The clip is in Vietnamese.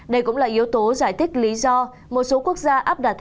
đây cũng là yếu tố giải thích lý do một số quốc gia áp đặt